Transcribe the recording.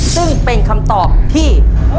ซึ่งเป็นคำตอบที่